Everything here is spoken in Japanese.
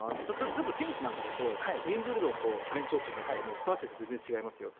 多分、テニスなんかだとウィンブルドンとフレンチオープンだったらサーフェイスが全然違いますよと。